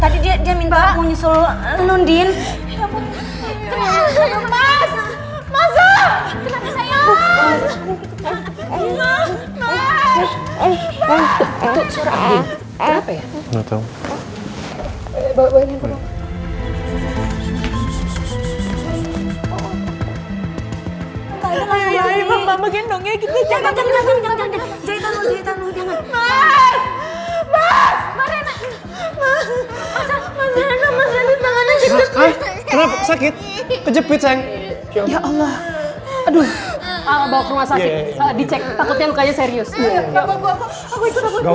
nata masih ngantuk gua